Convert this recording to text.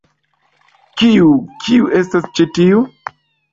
Kiu... kiu estas ĉi tiu?